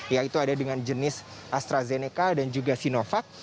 yaitu ada dengan jenis astrazeneca dan juga sinovac